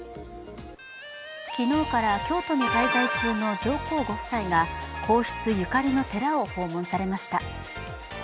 昨日から京都に滞在中の上皇ご夫妻が皇室ゆかりの寺を訪問されました。